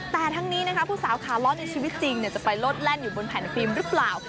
แต่ทั้งนี้นะคะผู้สาวขาล้อในชีวิตจริงจะไปโลดแล่นอยู่บนแผ่นฟิล์มหรือเปล่า